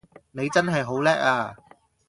你真係好叻呀